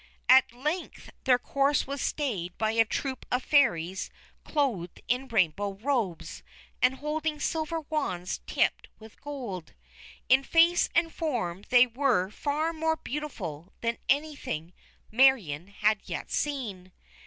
At length their course was stayed by a troop of Fairies clothed in rainbow robes, and holding silver wands tipped with gold. In face and form they were far more beautiful than anything Marion had yet seen.